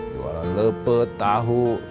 jualan lepet tahu